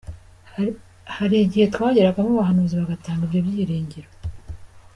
Hari igihe twageragamo abahanuzi bagatanga ibyo byiringiro.